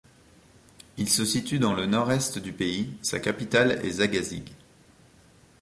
Il se situe dans le nord-est du pays, sa capitale est Zagazig.